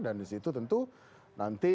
di situ tentu nanti